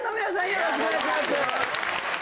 よろしくお願いします